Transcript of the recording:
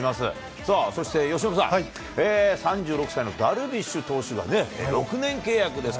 さあ、そして由伸さん、３６歳のダルビッシュ投手がね、６年契約ですか。